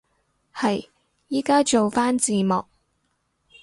係，依家做返字幕